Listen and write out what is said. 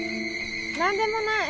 何でもない。